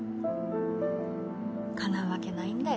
かなうわけないんだよ